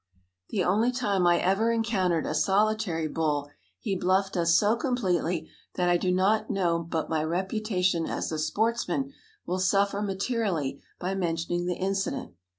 The only time I ever encountered a solitary bull he bluffed us so completely that I do not know but my reputation as a sportsman will suffer materially by mentioning the incident.